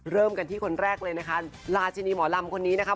เริ่มกันที่คนแรกเลยนะคะราชินีหมอลำคนนี้นะคะ